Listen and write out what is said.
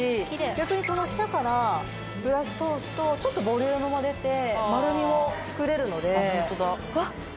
逆にこの下からブラシ通すとちょっとボリュームも出て丸みも作れるので。